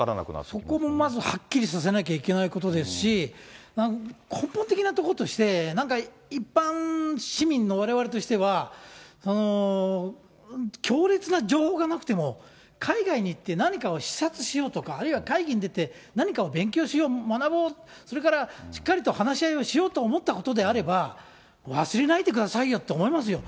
そこもまずはっきりさせなきゃいけないことですし、根本的なところとして、なんか一般市民のわれわれとしては、強烈な情報がなくても、海外に行って、何かを視察しようとか、あるいは会議に出て何かを勉強しよう、学ぼう、それからしっかりと話し合いをしようと思ったことであれば、忘れないでくださいよって思いますよ。